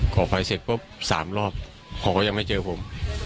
ก่อไฟเสร็จปุ๊บสามรอบห่อมันยังไม่เจอผม